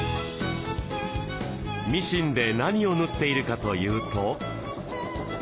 ミシンで何を縫っているかというと。